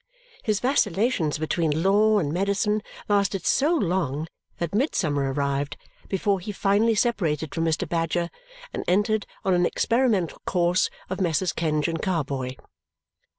His vacillations between law and medicine lasted so long that midsummer arrived before he finally separated from Mr. Badger and entered on an experimental course of Messrs. Kenge and Carboy.